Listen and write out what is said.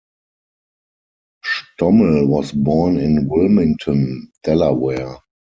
Stommel was born in Wilmington, Delaware.